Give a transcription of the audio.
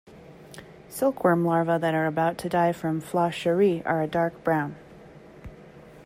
Silkworm larvae that are about to die from Flacherie are a dark brown.